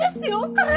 これ。